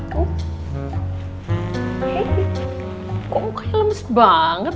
kok mukanya lemes banget